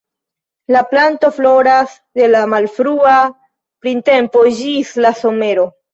La planto floras de la malfrua printempo ĝis la somero.